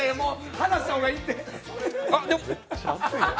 離した方がいいって。